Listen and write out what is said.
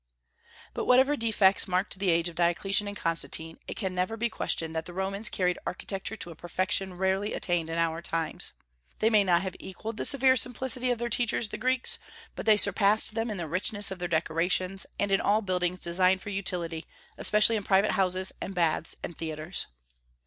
But whatever defects marked the age of Diocletian and Constantine, it can never be questioned that the Romans carried architecture to a perfection rarely attained in our times. They may not have equalled the severe simplicity of their teachers the Greeks, but they surpassed them in the richness of their decorations, and in all buildings designed for utility, especially in private houses and baths and theatres.